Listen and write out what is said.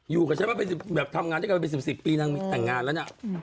อยู่กับฉันมาทำงานด้วยกันไป๑๐ปีนางมีแต่งงานแล้วน่ะ